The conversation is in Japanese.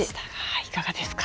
いかがですか？